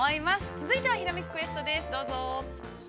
続いては「ひらめきクエスト」です、どうぞ。